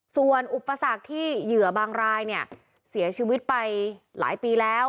ส่วนอุปสรรคที่เหยื่อบางรายเนี่ยเสียชีวิตไปหลายปีแล้ว